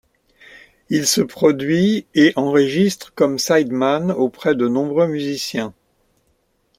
Il se produit et enregistre comme sideman auprès de nombreux musiciens.